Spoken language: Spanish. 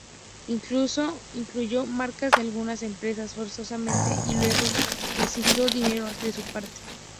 Incluso incluyó marcas de algunas empresas forzosamente y luego exigió dinero de su parte.